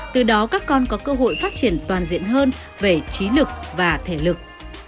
từ đó các con có cơ hội phát triển toàn diện hơn về trí lực và thể lực